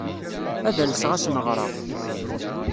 Ad alseɣ ad asen-ɣreɣ.